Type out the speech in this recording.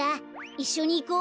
いっしょにいこう。